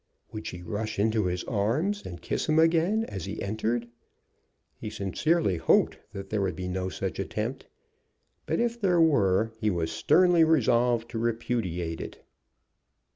Would she rush into his arms, and kiss him again as he entered? He sincerely hoped that there would be no such attempt; but if there were, he was sternly resolved to repudiate it.